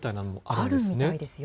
あるみたいですよ。